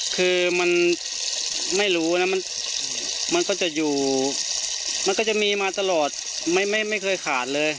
คือมันไม่รู้นะมันก็จะอยู่มันก็จะมีมาตลอดไม่เคยขาดเลย